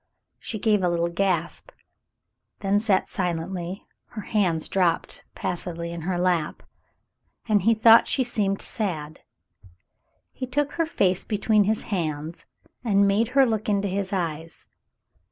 She gave a little gasp, then sat silently, her hands dropped passively in her lap, and he thought she seemed sad. He took her face between his hands and made her look into his eyes.